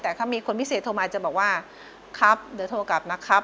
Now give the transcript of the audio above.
แต่ถ้ามีคนพิเศษโทรมาจะบอกว่าครับเดี๋ยวโทรกลับนะครับ